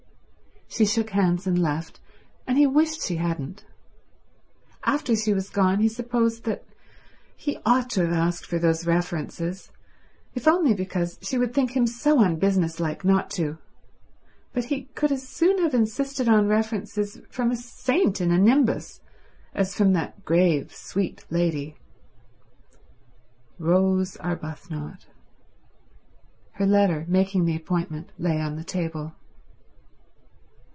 She shook hands and left, and he wished she hadn't. After she was gone he supposed that he ought to have asked for those references, if only because she would think him so unbusiness like not to, but he could as soon have insisted on references from a saint in a nimbus as from that grave, sweet lady. Rose Arbuthnot. Her letter, making the appointment, lay on the table.